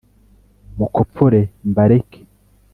Mukopfore mbareke